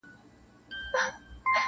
شیخ ویله میکدې ته ځه جواز دی,